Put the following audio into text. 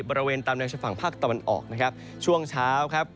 บริเวณตามแนวชะฝั่งภาคตะวันออกนะครับช่วงเช้าครับ